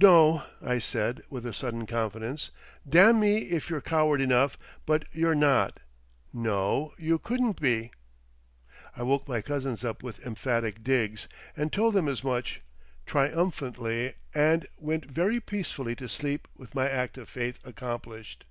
"No," I said, with a sudden confidence, "damn me if you're coward enough.... But you're not. No! You couldn't be!" I woke my cousins up with emphatic digs, and told them as much, triumphantly, and went very peacefully to sleep with my act of faith accomplished.